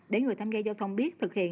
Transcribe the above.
để người tham gia giao thông biết thực hiện